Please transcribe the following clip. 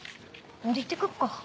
俺行ってくっか。